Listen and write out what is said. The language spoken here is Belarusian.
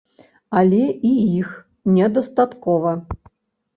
Але і іх не дастаткова.